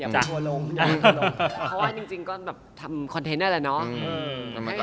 เพราะว่าจริงก็ทำคอนเทนต์นั่นแหละเนาะ